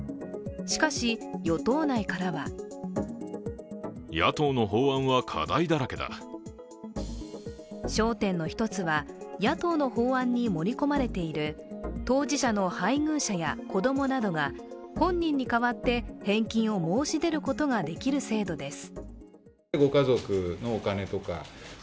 しかし、与党内からは焦点の一つは、野党の法案に盛り込まれている当事者の配偶者や子供などが本人に代わって返金を申し出ることができる制度です。